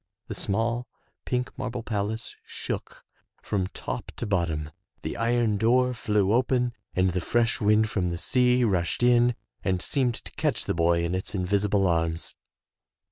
The small, pink marble palace shook from top to bottom, the iron door flew open and the fresh wind from the sea rushed in and seemed to catch the boy in its invisible arms.